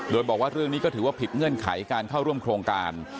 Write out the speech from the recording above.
โดยบอกว่าเรื่องนี้ก็ถือว่าผิดเงื่อนไขการเข้าร่วมโครงการ